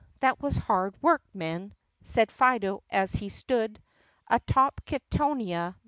that was hard work, men," Said Fido as he stood Atop Kittonia.